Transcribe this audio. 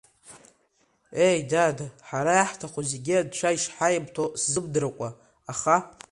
Еи, дад, ҳара иаҳҭаху зегьы Анцәа ишҳаимҭо сзымдыркәа, аха…